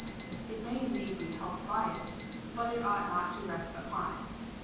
It may indeed be helped by it, but it ought not to rest upon it.